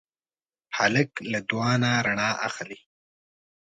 هلک له دعا نه رڼا اخلي.